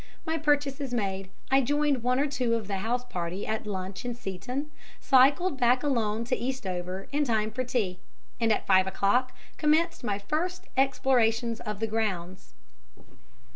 My purchases made, I joined one or two of the house party at lunch in Seeton, cycled back alone to Eastover in time for tea; and, at five o'clock, commenced my first explorations of the grounds.